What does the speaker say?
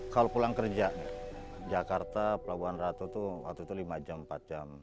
kalau pulang kerja jakarta pelabuhan ratu itu waktu itu lima jam empat jam